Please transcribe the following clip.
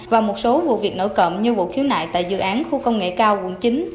và một số vụ việc nổi cộng như vụ khiếu nại tại dự án khu công nghệ cao quận chín